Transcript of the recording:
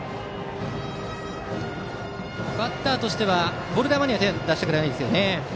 バッターとしてはボール球に手を出したくないですね。